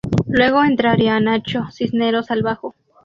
Luego entraría "Nacho" Cisneros al bajo.